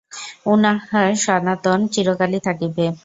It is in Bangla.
উহা সনাতন, চিরকালই থাকিবে।